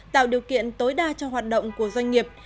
tạo điều kiện tối đa cho hoạt động của doanh nghiệp